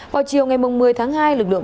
vào chiều ngày một mươi tháng hai